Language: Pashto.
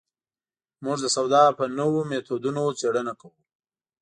موږ د سودا په نویو مېتودونو څېړنه کوو.